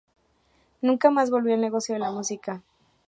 Nunca más volvió al negocio de la música.